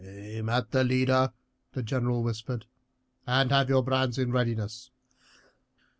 "Aim at the leader," the general whispered, "and have your brands in readiness."